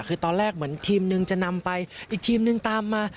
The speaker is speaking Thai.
คือตอนแรกเหมือนทีมหนึ่งจะนำไปอีกทีมนึงตามมา